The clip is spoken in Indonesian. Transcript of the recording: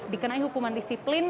dikenai hukuman disiplin